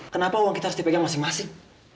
kenapa uang kita harus dipegang masing masing